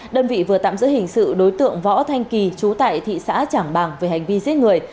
đơn vị vừa tạm giữ hình sự đối tượng võ thanh kỳ chú tại thị xã trảng bàng về hành vi giết người